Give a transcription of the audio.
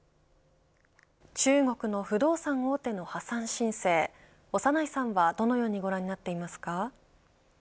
中国の不動産大手の破産申請長内さんはどのようにご覧になっていますか。